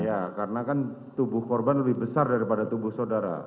ya karena kan tubuh korban lebih besar daripada tubuh saudara